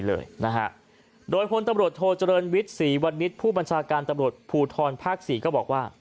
โดยจุดฝนตำรวจโทจรินวิทธ์๔วันนิสต์ผู้บัญชาการตำรวจภูทนน์ภพ๔